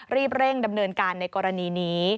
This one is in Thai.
รีบเร่งดำเนินการในกรณีนี้